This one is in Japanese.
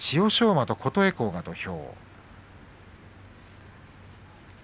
馬と琴恵光が土俵。